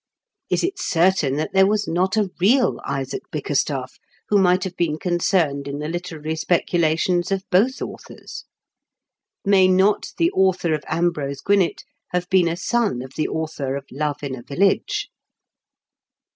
Is it certain that there was not a real Isaac BickerstaflF, who might have been concerned in the literary speculations of both authors ? May not the author of Ambrose Gwinett have been a son of the author of Love in a Village